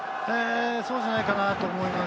そうじゃないかなと思います。